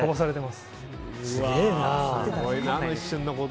すげえな。